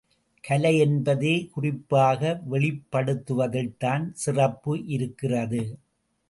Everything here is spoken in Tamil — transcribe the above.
கலை என்பதே குறிப்பாக வெளிப்படுத்துவதில்தான் சிறப்பு இருக்கிறது.